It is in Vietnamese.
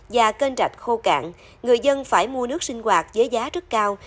và kênh rạch khô cạn người dân phải mua nước sinh hoạt với giá rất cao